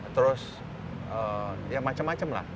terus ya macem macem lah